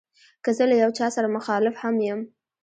که زه له یو چا سره مخالف هم یم.